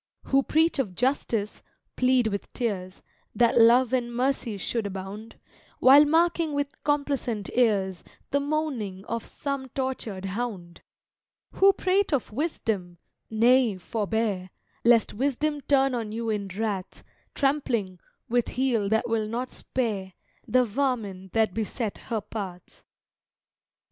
Who preach of Justice plead with tears That Love and Mercy should abound While marking with complacent ears The moaning of some tortured hound: Who prate of Wisdom nay, forbear, Lest Wisdom turn on you in wrath, Trampling, with heel that will not spare, The vermin that beset her path!